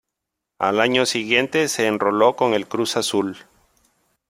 Al año siguiente se enroló con el Cruz Azul.